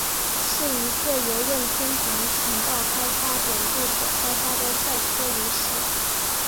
是一个由任天堂情报开发本部所开发的赛车游戏。